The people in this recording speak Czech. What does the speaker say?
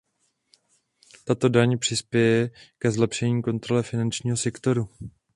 Tato daň přispěje ke zlepšení kontrole finančního sektoru.